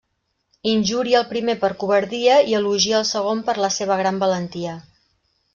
Injuria el primer per covardia i elogia el segon per la seva gran valentia.